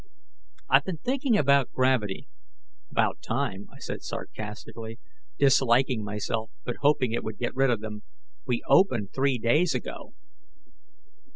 "I've been thinking about gravity " "About time," I said sarcastically, disliking myself but hoping it would get rid of them, "we opened three days ago."